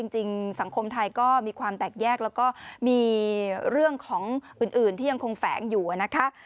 จริงสังคมไทยก็มีความแตกแยกแล้วก็มีเรื่องของอื่นที่ยังคงแฝงอยู่นะคะ